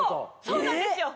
そうなんですよ。